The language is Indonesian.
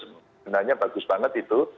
sebenarnya bagus banget itu